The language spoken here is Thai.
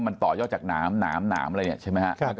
มันต่อยอดจากน้ำน้ำน้ำอะไรเนี่ยใช่ไหมฮะ